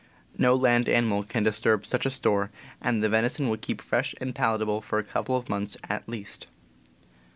No land animal can disturb such a store, and the venison will keep fresh and palatable for a couple of months at least.